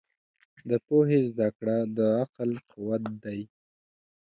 د پوهې زده کړه د عقل قوت دی.